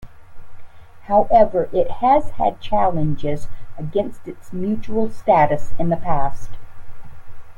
However, it has had challenges against its mutual status in the past.